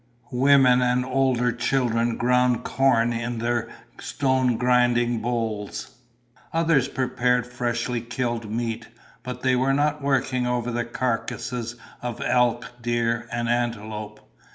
Women and older children ground corn in their stone grinding bowls. Others prepared freshly killed meat, but they were not working over the carcasses of elk, deer, and antelope.